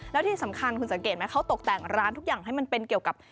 แล้วที่สำคัญคุณสังเกตไหมเขาตกแต่งร้านทุกอย่างให้มันเป็นเกี่ยวกับ